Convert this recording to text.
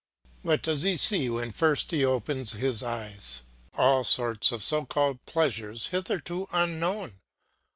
What does he see when first he opens his eyes? all sorts of so called pleasures, hitherto unknown.